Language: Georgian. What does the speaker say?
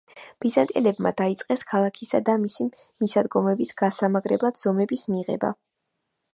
ბიზანტიელებმა დაიწყეს ქალაქისა და მისი მისადგომების გასამაგრებლად ზომების მიღება.